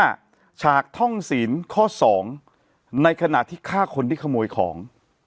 ฉากท่องศีลข้อสองในขณะที่ฆ่าคนที่ขโมยของ